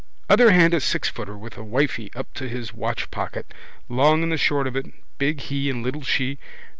Other hand a sixfooter with a wifey up to his watchpocket. Long and the short of it. Big he and little she.